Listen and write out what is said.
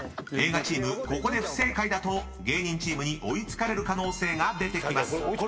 ［映画チームここで不正解だと芸人チームに追い付かれる可能性が出てきます］